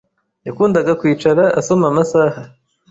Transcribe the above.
Yakundaga kwicara asoma amasaha.